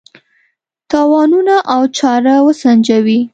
تاوانونه او چاره وسنجوي.